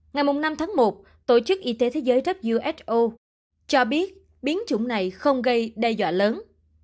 ngày năm tháng một tổ chức y tế thế giới who cho biết biến chủng này không gây đe dọa lớn